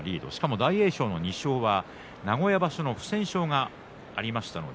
大栄翔の２勝は名古屋場所の不戦勝がありましたので